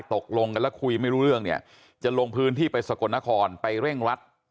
ตกลงกันแล้วคุยไม่รู้เรื่องเนี่ยจะลงพื้นที่ไปสกลนครไปเร่งรัด